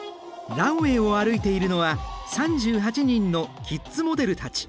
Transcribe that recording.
ランウェイを歩いているのは３８人のキッズモデルたち。